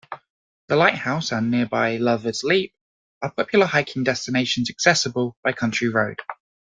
The lighthouse and nearby "Lover's Leap" are popular hiking destinations accessible by county road.